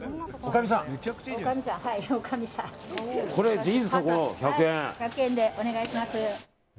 １００円でお願いします。